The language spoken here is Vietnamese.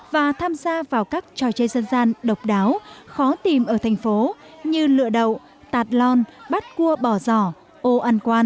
và tham gia vào các trò chơi dân gian độc đáo khó tìm ở thành phố như lựa đậu tạt non bắt cua bỏ giỏ ô ăn quan